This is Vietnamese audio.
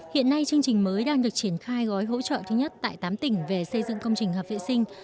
hiện nay chương trình mới đang được triển khai gói hỗ trợ thứ nhất tại tám tỉnh về xây dựng công trình hợp vệ sinh